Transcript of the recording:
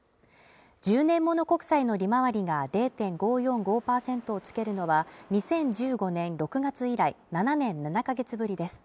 １０年物国債の利回りが０．５４５％をつけるのは２０１５年６月以来７年７か月ぶりです